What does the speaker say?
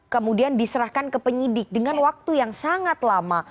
kemudian diserahkan ke penyidik dengan waktu yang sangat lama